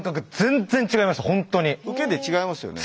受けで違いますよね？